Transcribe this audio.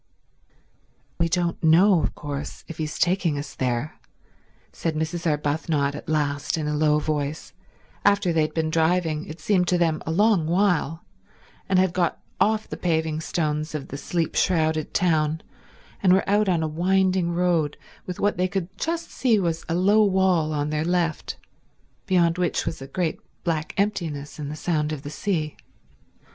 "We don't know of course if he's taking us there," said Mrs. Arbuthnot at last in a low voice, after they had been driving as it seemed to them a long while, and had got off the paving stones of the sleep shrouded town and were out on a winding road with what they could just see was a low wall on their left beyond which was a great black emptiness and the sound of the sea.